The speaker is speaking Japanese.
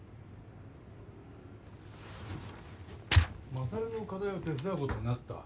勝の課題を手伝うことになった？